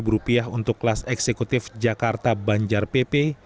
rp satu ratus enam puluh untuk kelas eksekutif jakarta banjar pp